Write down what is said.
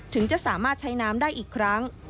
ถึงจะสามารถใช้น้ำได้อีกครั้ง